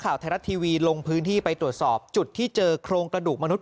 ข่าวไทยรัฐทีวีลงพื้นที่ไปตรวจสอบจุดที่เจอโครงกระดูกมนุษย